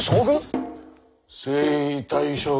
征夷大将軍。